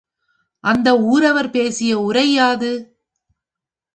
அந்த ஊரவர் பேசிய உரை யாது?